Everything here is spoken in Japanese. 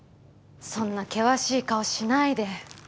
そんな険しい顔しないで。